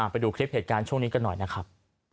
ไปดูคลิปเหตุการณ์ช่วงนี้กันหน่อยนะครับ